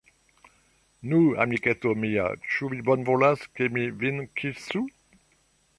Nu, amiketo mia, ĉu vi bonvolas, ke mi vin kisu?